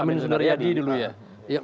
amin sundariadi dulu ya